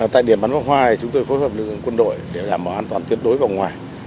tại địa bắn phá hoa này chúng tôi phối hợp với quân đội để làm bảo an toàn tuyến đối vòng ngoài